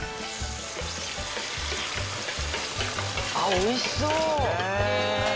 おいしそう。